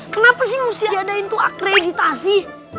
kenapa sih musti ada itu akreditasi